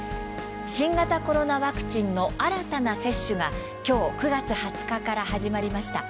新型コロナワクチンの新たな接種が今日９月２０日から始まりました。